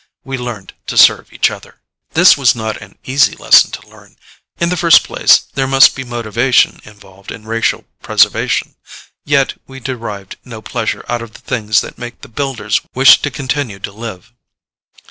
We learned to serve each other. This was not an easy lesson to learn. In the first place there must be motivation involved in racial preservation. Yet we derived no pleasure out of the things that make the Builders wish to continue to live.